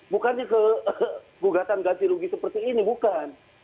bukannya ke gugatan ganti rugi seperti ini bukan